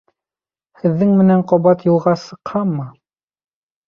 Һеҙҙең менән ҡабат юлға сыҡһаммы?